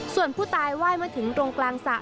ส่วนผู้ตายไหว้มาถึงตรงกลางสระ